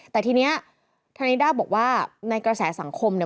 แต่ทีนี้ธนิด้าบอกว่าในกระแสสังคมเนี่ย